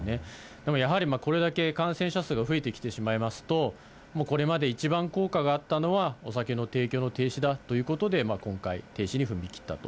でもやはりこれだけ感染者数が増えてきてしまいますと、もうこれまで一番効果があったのは、お酒の提供の停止だということで、今回停止に踏み切ったと。